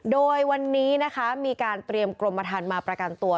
โดยวันนี้นะคะมีการเตรียมกรมฐานมาประกันตัว